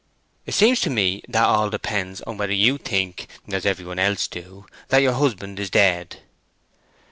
"It seems to me that all depends upon whe'r you think, as everybody else do, that your husband is dead."